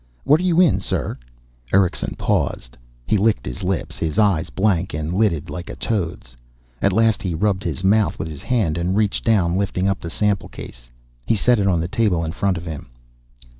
What are you in, sir?" Erickson paused. He licked his thick lips, his eyes blank and lidded, like a toad's. At last he rubbed his mouth with his hand and reached down, lifting up the sample case. He set it on the table in front of him.